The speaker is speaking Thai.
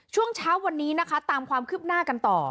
ช่วงเช้าวันนี้นะคะตามความคืบหน้ากันต่อ